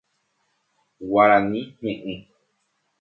Guarani he'ẽ.